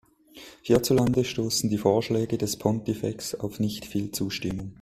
Hierzulande stoßen die Vorschläge des Pontifex auf nicht viel Zustimmung.